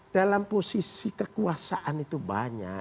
dalam posisi kekuasaan itu banyak